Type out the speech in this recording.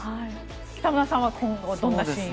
北村さんは今後、どんなシーンを。